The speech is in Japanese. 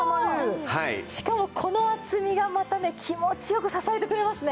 しかもこの厚みがまたね気持ち良く支えてくれますね。